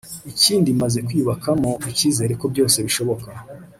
ikindi maze kwiyubakamo ikizere ko byose bishoboka”